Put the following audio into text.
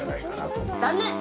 残念。